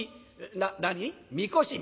「な何？